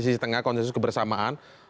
sisi tengah konsensus kebersamaan